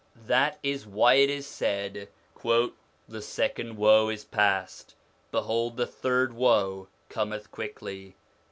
That is why it is said, ' The second woe is past, behold the third woe cometh quickly